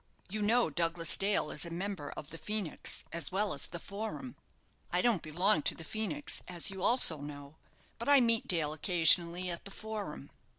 You know, Douglas Dale is a member of the Phoenix, as well as the Forum. I don't belong to the Phoenix, as you also know, but I meet Dale occasionally at the Forum.